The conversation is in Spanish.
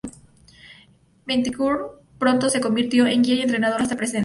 Betancourt pronto se convirtió en guía y entrenador hasta el presente.